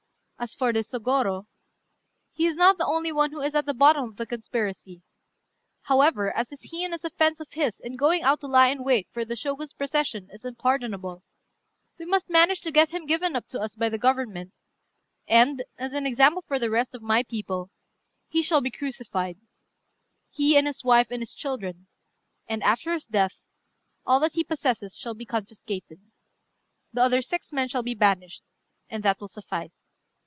As for this Sôgorô, he is not the only one who is at the bottom of the conspiracy; however, as this heinous offence of his in going out to lie in wait for the Shogun's procession is unpardonable, we must manage to get him given up to us by the Government, and, as an example for the rest of my people, he shall be crucified he and his wife and his children; and, after his death, all that he possesses shall be confiscated. The other six men shall be banished; and that will suffice."